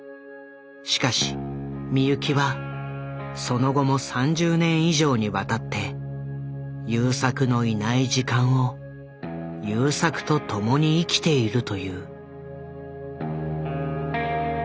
しかし美由紀はその後も３０年以上にわたって優作のいない時間を優作と共に生きているという。